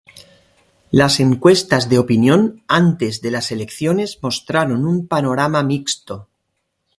Las encuestas de opinión antes de las elecciones mostraron un panorama mixto.